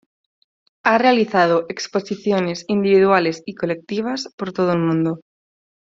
Ha realizado exposiciones individuales y colectivas por todo el mundo.